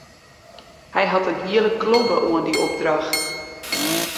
Hy hat in hiele klobbe oan dy opdracht.